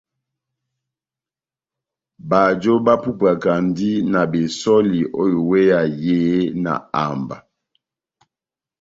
Bajo bapupwakandi na besὸli ó iweya yehé na amba.